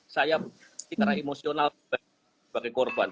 saya secara emosional sebagai korban